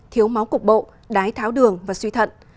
thiếu máu cục bộ đái tháo đường và suy thận